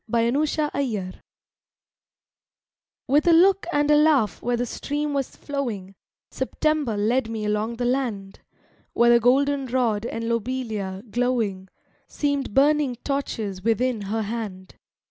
YOUNG SEPTEMBER I With a look and a laugh where the stream was flowing, September led me along the land; Where the golden rod and lobelia, glowing, Seemed burning torches within her hand.